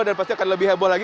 dan pasti akan lebih heboh lagi